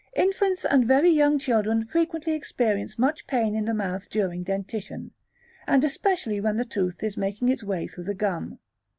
Infants and very young children frequently experience much pain in the mouth during dentition, and especially when the tooth is making its way through the gum.